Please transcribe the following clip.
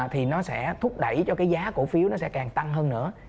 thì nó sẽ thúc đẩy cho cái giá cổ phiếu nó sẽ càng tăng hơn nữa